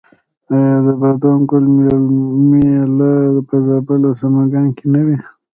آیا د بادام ګل میله په زابل او سمنګان کې نه وي؟